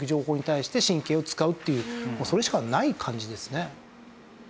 それしかない感じですね。